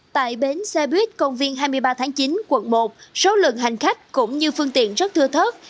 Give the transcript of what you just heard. tại bến xe buýt công viên hai mươi ba tháng chín quận một số lượng hành khách cũng như phương tiện rất thưa thớt